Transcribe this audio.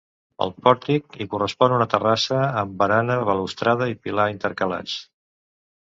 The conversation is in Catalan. Al pòrtic i correspon una terrassa amb barana balustrada i pilar intercalats.